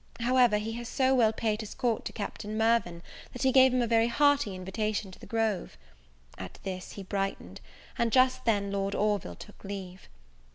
However, he has so well paid his court to Captain Mirvan, that he gave him a very hearty invitation to the Grove. At this he brightened, and just then Lord Orville took leave.